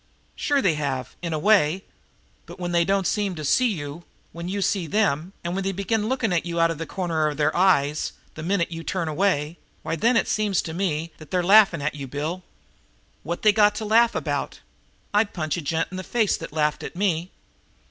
"Sure they have, in a way. But, when they don't seem to see you when you see them, and when they begin looking at you out of the corner of their eyes the minute you turn away, why then it seems to me that they're laughing at you, Bill." "What they got to laugh about? I'd punch a gent in the face that laughed at me!"